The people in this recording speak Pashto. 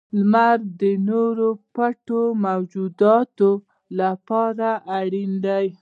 • لمر د نورو پټو موجوداتو لپاره اړین دی.